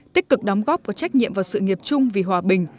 tích cực đóng góp có trách nhiệm vào sự nghiệp chung vì hòa bình